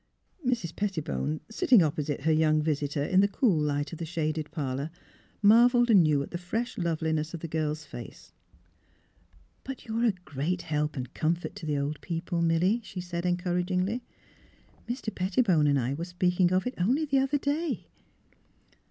'' Mrs. Pettibone, sitting opposite her young visitor in the cool light of the shaded parlour, marvelled anew at the fresh loveliness of the girl's face. '' But you're a great help and comfort to the old people, Milly," she said, encouragingly. 91 92 THE HEART OF PHH^URA *' Mr. Pettibone and I were speaking of it only the other day.